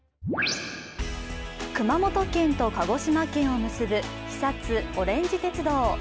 熊本県と鹿児島県を結ぶ肥薩おれんじ鉄道。